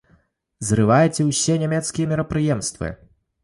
Зрывайце ўсе нямецкія мерапрыемствы!